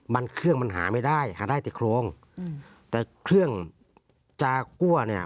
มันเครื่องมันหาไม่ได้หาได้แต่โครงอืมแต่เครื่องจากั้วเนี่ย